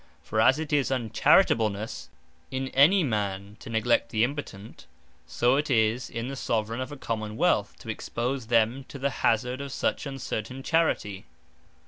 For as it is Uncharitablenesse in any man, to neglect the impotent; so it is in the Soveraign of a Common wealth, to expose them to the hazard of such uncertain Charity.